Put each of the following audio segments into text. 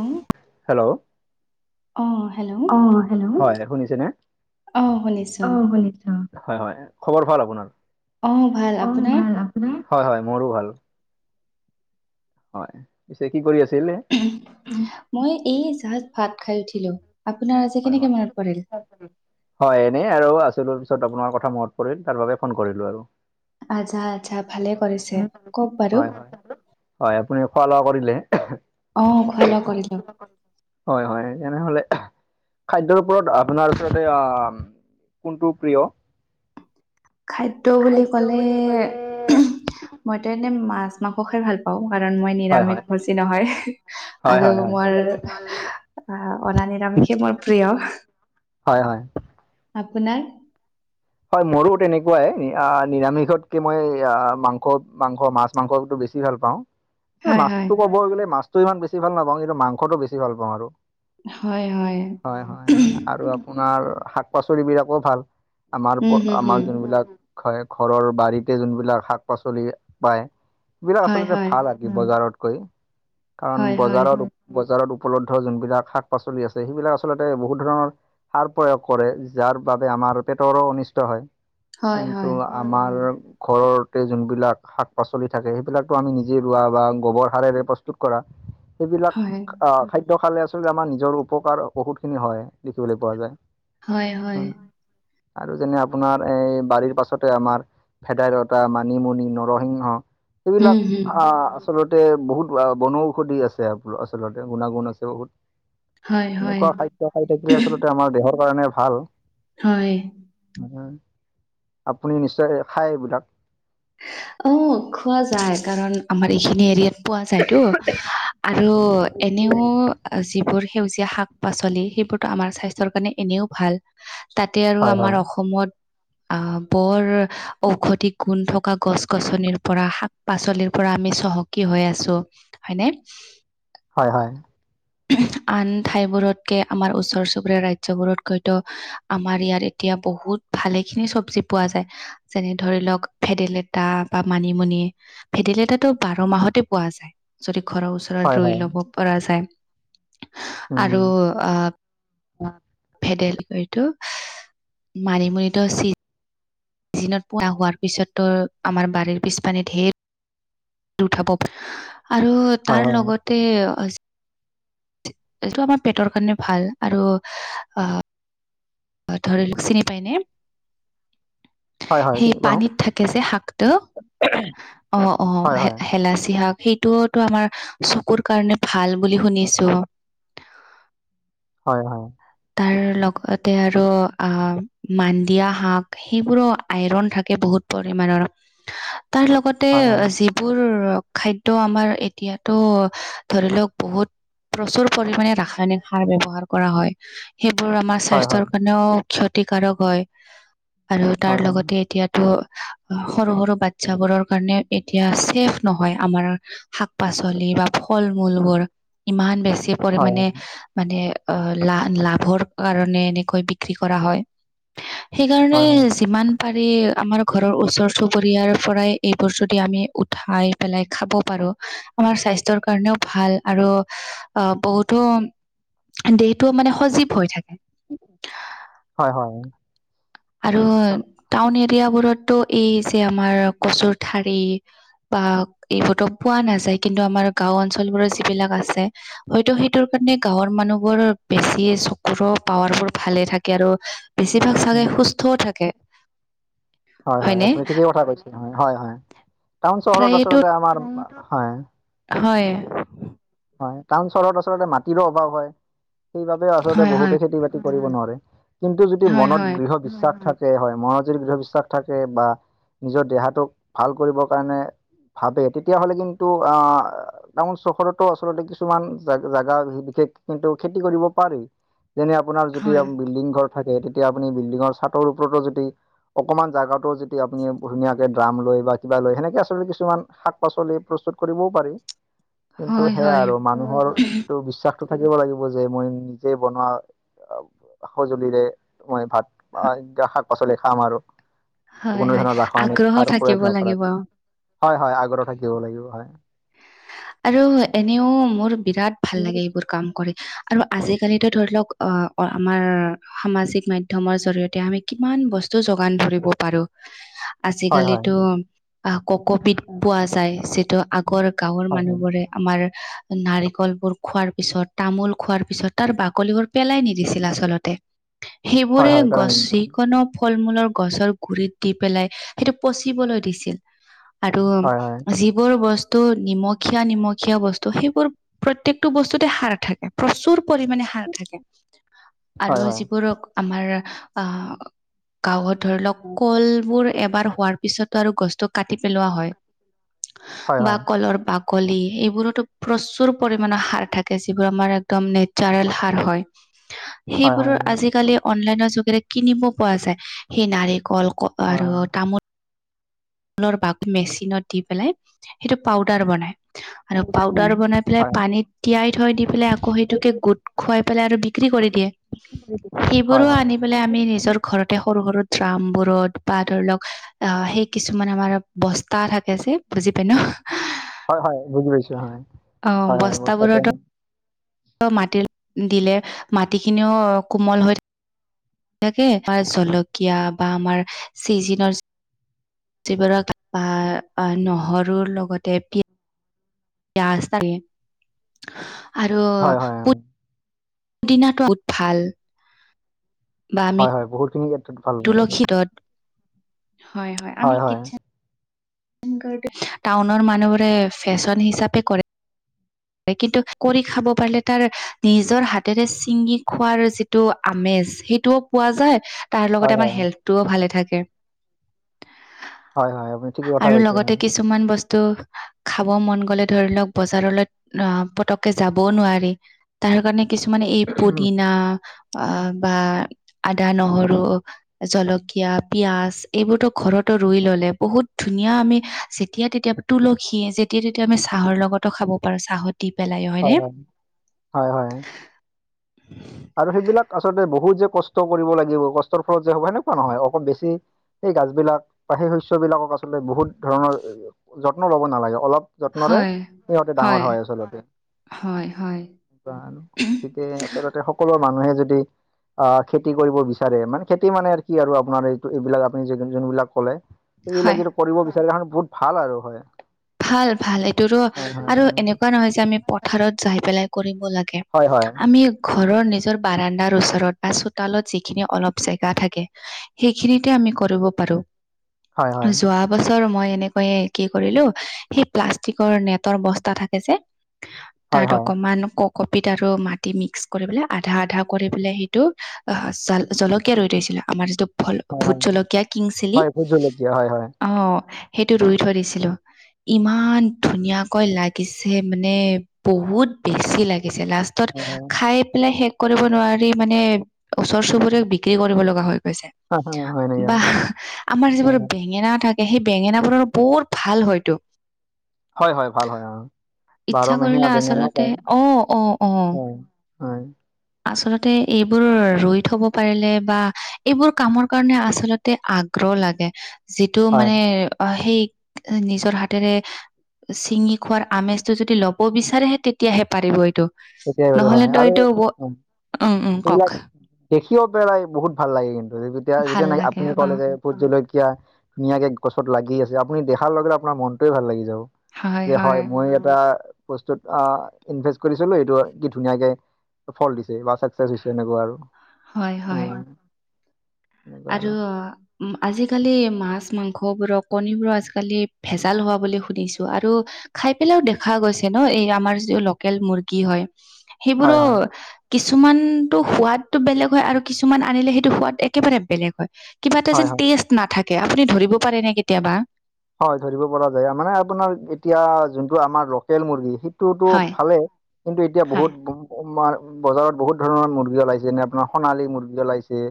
অহ hello অ hello অ hello, হয় শুনিছেনে? অঁ অ শুনিছোঁ শুনিছোঁ। হয় হয় খবৰ ভাল আপোনাৰ? অঁ ভাল অ আপোনাৰ ভাল আপোনাৰ? হয় হয় মোৰো ভাল। হয় পিছে কি কৰি আছিলে? মই এই জাষ্ট ভাত খাই উঠিলো, আপোনাৰ আজি হয় হয় কেনেকে মনত পৰিল? [inaudible] হয় এনেই আৰু আছিলো পিছত আপোনাৰ কথা মনত পৰিল তাৰ বাবে ফোন কৰিলোঁ আৰু। আচ্ছা আচ্ছা ভালে কৰিছে কওক বাৰু হয় হয় হয় আপুনি খোৱা লোৱা কৰিলে? অ খোৱা লোৱা কৰিলোঁ। হয় হয় তেনেহলে খাদ্যৰ ওপৰত আপোনাৰ আচলতে আঁহ কোনটো প্ৰিয়? খাদ্য বুলি ক'লে মইতো এনে মাছ মাংস খাই ভাল পাওঁ কাৰণ মই হয় নিৰামিষ হয় ভূজি নহয় হয় আৰু হয় হয় মোৰ আহ অনা নিৰামিষ মোৰ প্ৰিয়। হয় হয়। আপোনাৰ? হয় মোৰো তেনেকুৱাই আহ নিৰামিষতকে মই আহ মাংস, মাংস, মাছ মাংসতো বেছি বেছি ভাল পাওঁ, হয় হয় মাছটো কব গ'লে মাছটো ইমান বেছি ভাল নাপাওঁ, কিন্তু মাংসটো বেছি ভাল পাওঁ আৰু। হয় হয় হয় আৰু আপোনাৰ শাক পাচলি বিলাকো ভাল। আমাৰ উম হুম হুম আমাৰ যোনবিলাক হয় ঘৰৰ বাৰীতে যোনবিলাক শাক পাচলি পায়, সেইবিলাক হয় আচলতে হয় ভাল বজাৰতকৈ কাৰণ হয় হয় বজাৰত বজাৰত উপলব্ধ যোনবিলাক শাক পাচলি আছে সেইবিলাক আচলতে বহুত ধৰণৰ সাৰ প্ৰয়োগ কৰে যাৰ বাবে আমাৰ পেটৰো অনিষ্ট হয়। হয়, কিন্তু, হয়, আমাৰ ঘৰতে যোনবিলাক শাক পাচলি থাকে, সেইবিলাকতো আমি নিজে ৰোৱা বা গোবৰ সাৰেৰে প্ৰস্তুত কৰা। [unintelligible] সেইবিলাক হয়, আহ খাদ্য খালে আচলতে আমাৰ নিজৰ উপকাৰ বহুতখিনি হয় দেখিবলৈ পোৱা যায়। হয় হয়। আৰু যেনে আপোনাৰ এই বাৰীৰ পাছতে আমাৰ, ভেদাইলতা, মানিমুনি, নৰসিংহ হুম, এইবিলাক হুম। আহ আচলতে বহুত বনৌষধি আছে আচলতে গুণাগুণ আছে বহুত। হয়, হয়। এনেকুৱা খাদ্য খাই থাকিলে আচলতে আমাৰ দেহৰ কাৰণে ভাল। হয় আপুনি নিশ্চয় খাই এইবিলাক? অ' খোৱা যায় কাৰণ আমাৰ এইখিনি এৰিয়াত পোৱা যায়তো। আৰু এনেও যিবোৰ সেউজীয়া শাক পাচলি সেইবোৰ। আমাৰ স্বাস্থ্যৰ কাৰণে এনেও ভাল, তাতে আৰু হয় হয় আমাৰ অসমত। আহ বৰ ঔষধি গুণ থকা গছ গছনিৰ পৰা শাক পাচলিৰ পৰা আমি চহকী হৈ আছো হয়নে? হয় হয়। আন ঠাইবোৰতকে আমাৰ ওচৰ চুবুৰীয়া ৰাজ্যবোৰত কৈ ত আমাৰ ইয়াত এতিয়া বহুত ভালে খিনি চবজি পোৱা যায় যেনে ধৰি লওক, ভেদেলেতা বা মানিমুনি ভেদেলতাটো বাৰ মাহতে পোৱা যায় যদি ঘৰৰ ওচৰ হয় ৰৰ হয় লুই পৰা যায়। আৰু উম আহ ভেদেল টো মানিমুনিতো চি জিনত পোৱা হোৱাৰ পিছত তো, আমাৰ বাৰীৰ পিছ পানে ধেইৰ। উঠাব আৰু হয় তাৰ হয় লগতে। এইটো আমাৰ পেটৰ কাৰণে ভাল আৰু অ। ধৰি ল চিনি পাই নে? হয় হয় সেই চিনি পাওঁ পানীত থাকে যে শাকটো। অ অ' হয় হয় শেলাচি শাক সেই টোতো আমাৰ চকুৰ কাৰণে ভাল বুলি শুনিছো। হয় হয়, তাৰ লগতে আৰু আ মানডিয়া শাক, সেইবোৰো আইৰন থাকে বহুত। পৰিমাণৰ [unintelligible] তাৰ লগতে হয় যি। বোৰ খাদ্য আমাৰ এতিয়াতো ধৰি লওক বহুত। প্ৰচুৰ পৰিমণে ৰাসায়নিক সাৰ ব্যৱহাৰ কৰা হয়। সেইবোৰ আমাৰ হয় হয় হয় হয় স্বাস্থ্যৰ কাৰণেও ক্ষতিকাৰক হয়। আৰু হয় হয় তাৰ লগতে এতিয়াত ত সৰু সৰু বাচ্ছাবোৰৰ কাৰণে এতিয়া ছেফ নহয় আমাৰ শাক পাচলি বা ফল মূল বোৰ ইমান বেছি পৰিমাণে মানে অ লা লাভৰ কাৰণে এনেকৈ বিক্ৰী কৰা হয়। সেইকাৰণে হয় হয় যিমান পাৰি আমাৰ ঘৰৰ ওচৰ চুবুৰীয়াৰ পৰাই এইবোৰ যদি আমি উঠাই পেলাই খাব পাৰো। আমাৰ স্বাস্থ্যৰ কাৰণেও ভাল আৰু আহ বহুতো দে- টো মানে সজীৱ হৈ থাকে। হয় হয়। আৰু টাউন এৰিয়াবোৰতটো এই যে আমাৰ কচুৰ ঠাৰি বা এইবোৰতো পোৱা নাযায় কিন্তু আমাৰ গাও অঞ্চলবোৰৰ যিবিলাক আছে। হয়তো সেইটোৰ কাৰণে গাঁৱৰ মানুহবোৰ বেছি চকুৰ পাৱাৰ বোৰ ভালে থাকে আৰু বেছিভাগ চাগে উম, সুস্থও থাকে। হয় হয়, হয়নে আপুনি ঠিকেই কথা কৈছে ন হয় হয়। টাউন চহৰত প্ৰায়েতো আচলতে আমাৰ, হয়। হয়। হয়, টাউন চহৰত আচলতে মাটিৰো অভাৱ হয় সেইবাবেও আচলতে হয় হয় বহুতে খেতি বাত- কৰিব নোৱাৰে, কিন্তু যদি হয় মনত হয় গৃহত বিশ্বাস থাকে হয় মনজৰি গৃহ বিশ্বাস থাকে বা নিজৰ দেহাটোক ভাল কৰিবৰ কাৰণে ভাবে তেতিয়াহ'লে কিন্তু অ টাউন চহৰত ত আচলতে কিছুমান জাগ জাগা বিশেষ কিন্তু খেতি কৰিব পাৰি। যেনে আপোনাৰ যদি হয় বিল্ডিং ঘৰ থাকে তেতিয়া আপুনি বিল্ডিঙৰ চাটৰ ওপৰতো যদি অকণমান জোগাতো যেতিয়া আপুনি ধুনীয়াকে ড্ৰাম লয় বা, কিবা লয় সেনেকে আচলতে কিছুমান শাক পাচলি প্ৰস্তুত। কৰিবও পাৰি কিন্তু হয় সেয়া হয় আৰু মানুহৰ এইটো বিশ্বাস থাকিব লাগিব যে মই নিজে বনোৱা সঁজুলিৰে মই ভাত শাক পাচলি খাম আৰু হয় কোনো হয় ধৰণৰ আগ্ৰহ ৰাসায়নিক সাৰ থাকিব প্ৰয়োগ লাগিব নকৰাক হয় হয় আগ্ৰহ থাকিব লাগিব, হয়। আৰু এনেও মোৰ বিৰাট ভাল লাগে এইবোৰ কাম কৰি। আৰু আজিকালিতো ধৰি লওক অ আমাৰ সামাজিক মাধ্যমৰ জৰিয়তে আমি কিমান বস্তু যোগান ধৰিব পাৰো। হয় হয় আজিকালিতো ককপিধ পোৱা যায় যিটো আগ- গৰ গাঁৱৰ হয় হয় মানুহবোৰে আমাৰ নাৰিকলবোৰ খোৱাৰ পিছত, তামোল খোৱাৰ পিছত তাৰ বাকলিবোৰ পেলাই নিদিছিল আচলত- তে হয় সেইবোৰে হয় পেলাই নিম গছিকণক ফল মূলৰ গছৰ গুৰিত দি পেলাই সেইটো পচিবলৈ দিছিল। আৰু হয় হয় যিবোৰ বস্ত- টো নিমখীয়া নিমখীয়া বস্তু সেইবোৰ প্ৰত্যেকটো বস্তুতে সাৰ- থাকে। প্ৰচুৰ পৰিমণে হাৰ থাকে আৰু হয় যিবোৰোক আমাৰ অ গাঁৱত ধৰ কলবোৰ এবাৰ হোৱাৰ পিছতো আৰু গছটো কাটি পেলোৱা হয় হয় বা হয় কলৰ বা বাকলি এইবোৰতো প্ৰচুৰ পৰিমাণৰ সাৰ থাকে যিবোৰ আমাৰ একদম নেচাৰেল সাৰ হয়। [inaudible] সেইবোৰৰ আজিকালি অনলাইনৰ যোগেৰে কিনিব পোৱা যায়। সেই নাৰিকল কপাৰু হয় তামোল লৰ বাগ মেচিনত দি পেলাই সেইটো পাউডাৰ বনাই। আৰু পাউদাৰ বনাই পেলাই পানীত তিয়াই থৈ দি পেলাই আকৌ সেইটোকে গোট খুৱাই পেলাই আৰু বিক্ৰী কৰি দিয়ে হয় সেইবোৰো হয় আনি পেলাই আমি নিজৰ ঘৰতে সৰু সৰু ড্ৰামবোৰত বা ধৰি লওক আহ সেই কিছুমান আমাৰ বস্তা থাকে যে বুজি পাই ন হয় হয় বুজি পাইছো, হয় অ হয় হয় মোৰ চাইদে ত মাটি দিলে মাটিখিনিও কোমল হৈ থা থাকে আৰু জলকীয়া বা আমাৰ চিজিনৰ যিবোৰক বা আ নহৰুৰ লগতে পি পিয়াঁজ তাকে আৰু হয় হয় পু দিনাটো বোত ভাল। বা আমি হয় হয় বহুতখিনি ক্ষেত্ৰত ভালকে থাকে। তুলসী হয় হয় আমি কিথ টাউনৰ মানুহবোৰে ফেশ্বন হিচাপে কৰে। কে কিন্তু কৰি খাব পাৰিলে তাৰ নিজৰ হাতেৰে ছিঙি খোৱাৰ যি টো আমেজ সেইটোও পোৱা যায় তাৰ হয় লগতে আমাৰ হয় হেল্থটো ভালে থাকে। হয় হয় আপুনি ঠিক কথা আৰু কৈছে লগতে হয়। কিছুমান বস্তু খাব মন গ'লে ধৰি লওক বজাৰলে আহ পতককে যাবও নোৱাৰি তাৰ কাৰণে কিছুমানে এই পুদিনা অ বা আদা, নহৰু জলকীয়া, পিয়াজ এইবোৰতো ঘৰতো ৰুই ললে বহুত ধুনীয়া আমি যেতিয়া - তেতিয়া তুলসীয়ে যেতিয়া - তেতিয়া আমি চাহৰ লগতো খাব পাৰো, চাহত দি পেলাই অ হয় হয়, হয় হয়। আৰু সেইবিলাক আচলতে বহুত যে কষ্ট কৰিব লাগিব, কষ্টৰ ফলত যে হ'ব সেনেকুৱা নহয় অকল বেছি সেই গাছবিলাক বা সেই শস্যবিলাকক আচলতে বহুত ধৰণৰ যত্ন লব নালাগে, অলপ যত্নৰে সিহঁতে ডাঙৰ হয় আচলতে, বা কি কে আচলতে সকলো মানুহে যদি আঁহ খেতি কৰিব বিচাৰে মানে খেতি মানে আৰু কি আৰু আপোনাৰ এই এইবিলাক আপুনি যোনবিলাক কলে হয় সেইবিলাক যিটো কৰিব বিচাৰে বহুত ভাল আৰু হয়। ভাল ভাল এইটো ৰ হয় আৰু এনেকুৱা নহয় যে আমি পথাৰত যাই পেলাই কৰিব লা গে হয় হয় আমি ঘৰৰ নিজৰ বাৰাণ্ডাৰ ওচৰত বা চোতালত যিখিনি অলপ জেগা থাকে সেইখিনিতে আমি কৰিব পাৰো। হয় হয় যোৱা বছৰ মই এনেকৈয়ে কি কৰিলো আহ সেই প্লাষ্টিকৰ নেটৰ বস্তা থাকে যে হয় হয় তাত অকমান ক কপিতাটো আৰু মাটি মিক্স কৰি পেলাই আধা - আধা কৰি পেলাই সেইটো আ জাল জলকীয়া ৰৈ থৈছিলো আমাৰ যিটো ভল হয় হয় হয় ভোট জলকীয়া কিং চিলি হয় ভোট জলকীয়া হয় হয় অ সেইটো ৰুই থৈ দিছিলো। ইমান ধুনীয়াকৈ লাগিছে মানে বহুত বেছি লাগিছে লাষ্ট তত খাই পেলাই শেষ কৰিব নোৱাৰি মানে ওচৰ - চুবুৰীয়াক বিক্ৰী কৰিব লগা হৈ গৈছে। হয় হয় হয় নেকি হয় বা হয় আমাৰ যিবোৰ হয় বেঙেনা থা সেই বেঙেনাবোৰৰ বহুত ভাল হয়তো। হয় হয় ভাল হয় অ, বাৰ ইচ্ছা মাহীয়া কৰিলে বেঙেনাও আচলতে পায় অ', অ', অ', হয়। উম। আচলতে এইবোৰ ৰুই থব পাৰিলে বা এইবোৰ কামৰ কাৰণে আচলত তে আগ্ৰহ লাগে যিটো হয় মানে সেই এ নিজৰ হাতেৰে চিঙি খোৱাৰ আমেজটো যদি ল'ব বিচাৰেহে তেতিয়াহে পাৰিব এইটো। তেতিয়াই বাৰু হয় নহলেতো আৰু এইটো উম। উম উম কওক সেইবিলাক। দেখিও পেলাই বহুত ভাল লাগে কিন্তু যেতিয়া ভাল যেতিয়া ন লাগে আপুনি অ কলে যে ভোট জলকীয়া ধুনীয়াকে গছত লাগি আছে, আপুনি দেখাৰ লগে আপোনাৰ মনটোৱে ভাল লাগি যাব। যে হয় মই এটা বস্তুত আ ইনভেষ্ট কৰি ছিলো এইটো কি ধুনীয়াকে ফল দিছে বা চাকচেছ হৈছে এনেকুৱা আৰু। হয়-হয়। হয় আৰু আজিকালি মাছ মাংসবোৰক কণীবোৰক আজিকালি ভেজাল হোৱা বুলি শুনিছো আৰু খাই পেলাইও দেখা গৈছে ন এই আমাৰ যিটো লোকেল মুৰ্গী হয়। সেইবোৰো হয় হয় কিছুমানতো সোৱাদটো বেলেগ হয় আৰু কিছুমান আনিলে সেইটো সোৱাদ একেবাৰে বেলেগ হয়। কিবা এটা হয় হয়। যেন টেষ্ট নাথাকে আপুনি ধৰিব পাৰে ন কেতিয়াবা। হয় ধৰিব পৰা যায় মানে আপোনাৰ এতিয়া যোনটো আমাৰ লোকেল মুৰ্গী তো হয় ভালেই কিন্তু এতিয়া হয় বহুত মাৰ বজাৰত বহুত ধৰণৰ মুৰ্গী ওলাইছে যেনে আপোনাৰ সোণালী মুৰ্গী ওলাইছে।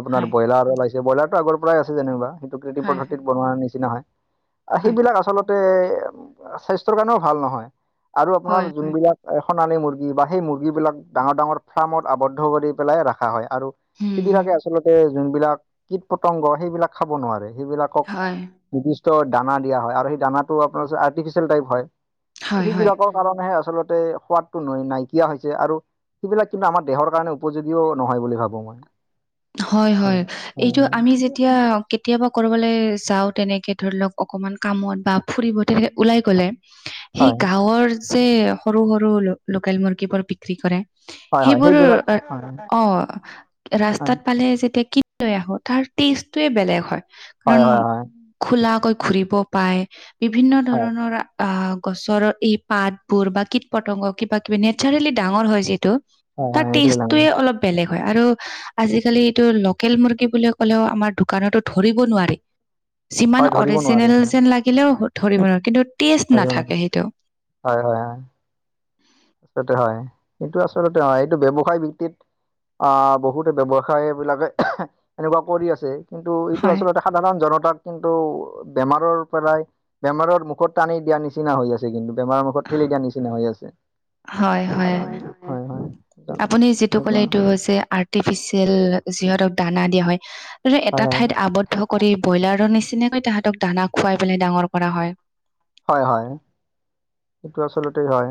আপোনাৰ হয় ব্ৰইাৰ ওলাইছে ব্ৰইলাৰটো আগৰ পৰাই আছে যেনেকুৱা সেইটো কৃতি হয় হয় পদ্ধতিত বনোৱাৰ নিচিনা হয়। হয়, সেইবিলাক আচলতে স্বাস্থ্যৰ কাৰণেও ভাল নহয়, আৰু আপোনাৰ হয়, হয়। যোনবিলাক সোনানি মুৰ্গী বা সেই মুৰ্গী বিলাক ডাঙৰ - ডাঙৰ ফাৰ্মত আৱদ্ধ কৰি পেলাই ৰখা হয় আৰু হুম, হুম। সেইবিলাকে আচলতে যোনবিলাক কীট পতংগ সেইবিলাক খাব নোৱাৰে সেইবিলাক হয়, নিৰ্দিষ্ট দানা দিয়া হয় আৰু সেই দানাটো আপোনাৰ আৰ্টিফিচিয়েল টাইপ হয়, হয়, হয়। সেইবিলাকক কাৰণেহে আচলতে সোৱাদটো ন নাইকিয়া হৈছে আৰু সেইবিলাক কিন্তু আমাৰ দেহৰ কাৰণে উপযোগীও নহয় বুলি ভাবো মই। হয় হয়-হয় এইটো আমি যেতিয়া কেতিয়াবা কৰিববলৈ যাও তেনেকে ধৰি লওক অকমান কামত বা ফুৰিব তেনেকে ওলাই গ'লে। সেই হয় গাঁৱৰ যে সৰু-সৰু ল লোকেল মুৰ্গী বোৰ বিকি কৰে হয় হয় সেইবোৰ সেইবিলাক হয় অ, ৰা হয় এফালে যেতিয়া কিনি লৈ আহো তাৰ টেষ্টয়ে বেলেগ হয় কাৰণ হয় হয় হয় খোলাকৈ ঘুৰিব পায় বিভিন্ন হয় ধৰণৰ আহ গছৰৰ এই পাতবোৰ বা কীট পতংগ কিবা কিবি নেচাৰেলি ডাঙৰ হয় যিহেতু হয় তাৰ হয় নিশ্চয় ডাঙৰ টেষ্টটয়ে অলপ বেলেগ হয় আৰু আজিকালি এইটো লোকেল মুৰ্গী বুলি ক'লেও আমাৰ দোকানতো ধৰিব নোৱাৰি। যিমান হয় ধৰিব নোৱাৰি অৰিজিনেল যেন লাগিলেও ধৰিব নোৱাৰো কিন্তু টেষ্ট নাথাকে সেইটো হয়-হয়-হয়-হয়। আচলতে হয় এইটো আচলতে হয় এইটো ব্যৱসায় ভিত্তিত আহ, বহুতে ব্যৱসায় এইবিলাকে এনেকুৱা কৰি আছে কিন্তু এইটো হয় আচলতে সাধাৰণ জনতাক কিন্তু বেমাৰৰ পৰাই বেমাৰৰ মুখত টানি দিয়া নিচিনা হৈ আছে কিন্তু বেমাৰৰ মুখত ঠেলি দিয়াৰ নিচিনা হৈ আছে। হয়-হয় কাৰণ হয় হয় আপুনি যিটো এনেকুৱা কলে এইটো যে আৰ্টিফিচিয়েল। যিহতক দানা দিয়া হয় এটা হয় হয় ঠাইত আৱদ্ধ ভকৰি ব্ৰইলাৰৰ নিচিনাকৈ তাহাতক দানা খুৱাই পেলাই ডাঙৰ কৰা হয়। হয় - হয়। সেইটো আচলতে হয়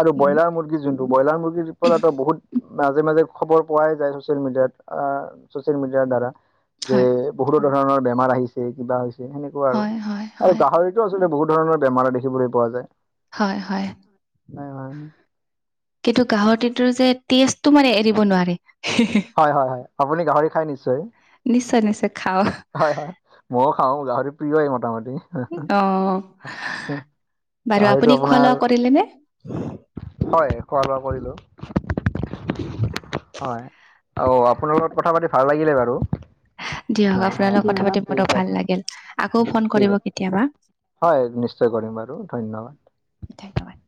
আৰু উম ব্ৰইলাৰ মুৰ্গী যোনতো ব্ৰইলাৰ মুৰ্গী পিছপৰাতো বহুত মাজে মাজে খবৰ পোৱাই যায় ছচিয়েল মিডিয়াত - ছচিয়েল মিডিয়াৰ দ্বাৰা। যে হয় বহুতো ধৰণৰ বেমাৰ আহিছে কিবা হৈছে সেনেকুৱা আৰু হয় হয় - আৰু হয় গাহৰিত এইটো আচলতে বহু ধৰণৰ বেমাৰ দেখিবলৈ পোৱা যায়। হয়-হয়। হয় হয় কিতো কাহৰ তিৰতো যে তিজটো মানে এৰিব নোৱাৰি। হয়-হয় আপুনি গাহৰি খাই নিশ্চয় নিশ্চয় নিশ্চয় খাওঁ হয় - হয়। ময়ো খাও গাহৰি প্ৰিয় এই মোটামুটি। অ, বাৰু গাহৰিটো আপুনি খোৱা আপোনাৰ লোৱা কৰিলে নে? হয় খোৱা লোৱা কৰিলো হয়। আৰু আপোনাৰ লগত কথা পাতি ভাল লাগিলে বাৰু। অ, দিয়ক আপোনাৰ হয় লগত কথা পাতি বৰ ঠিক ভাল আছে লাগিল। - আকৌ হয় ফোন ঠিক কৰিব আছে। কেতিয়াবা। হয় নিশ্চয় কৰিম বাৰু ধন্যবাদ। ধন্যবাদ।